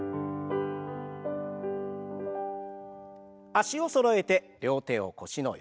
脚をそろえて両手を腰の横。